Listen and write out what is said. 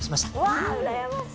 わうらやましい！